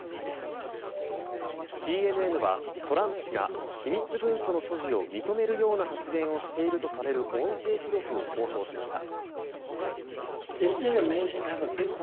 ＣＮＮは、トランプ氏が機密文書の所持を認めるような発言をしているとされる音声記録を放送しました。